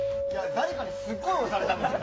誰かにすごい押されたんですよ。